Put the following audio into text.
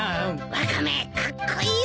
ワカメカッコイイぞ。